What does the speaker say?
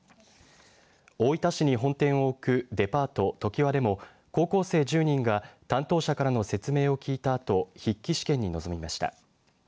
大分市に本店を置くデパートトキハでも高校生１０人が担当者からの説明を聞いたあと、筆記試験に臨みました。